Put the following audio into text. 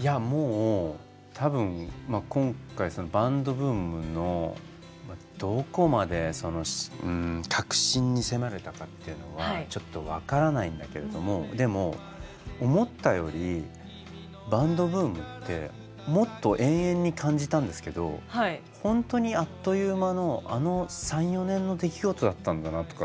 いやもう多分今回そのバンドブームのどこまでその核心に迫れたかっていうのはちょっと分からないんだけれどもでも思ったよりバンドブームってもっと永遠に感じたんですけどホントにあっという間のあの３４年の出来事だったんだなとかって思うと。